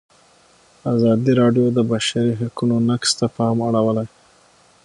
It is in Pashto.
ازادي راډیو د د بشري حقونو نقض ته پام اړولی.